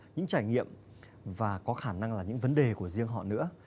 những trải nghiệm và có khả năng là những vấn đề của riêng họ nữa